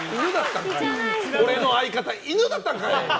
俺の相方、犬だったんかい！